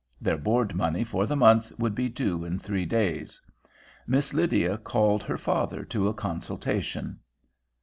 Their board money for the month would be due in three days. Miss Lydia called her father to a consultation.